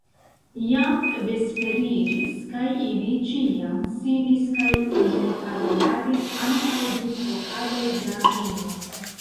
Jam vesperiĝis, kaj ili ĉiam sidis kaj interparoladis antaŭ du pokaloj da vino.